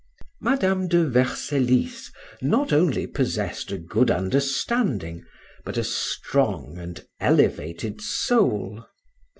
Madam de Vercellis not only possessed a good understanding, but a strong and elevated soul.